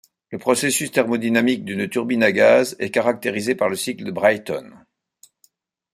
Le processus thermodynamique d'une turbine à gaz est caractérisé par le cycle de Brayton.